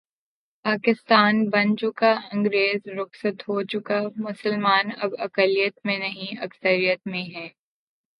پاکستان بن چکا انگریز رخصت ہو چکا مسلمان اب اقلیت میں نہیں، اکثریت میں ہیں۔